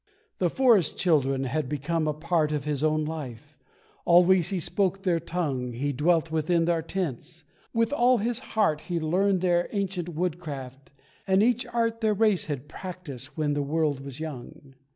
The forest children had become a part Of his own life always he spoke their tongue, He dwelt within their tents with all his heart He learned their ancient woodcraft, and each art Their race had practised when the world was young.